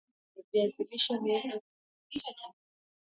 viazi lishe huweza hukaangwa